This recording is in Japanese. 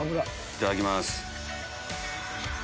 いただきます。